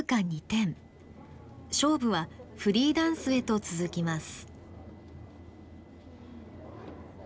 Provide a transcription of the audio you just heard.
勝負はフリーダンスへと続きます。